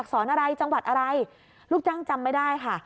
สอนอะไรจังหวัดอะไรลูกจ้างจำไม่ได้ค่ะ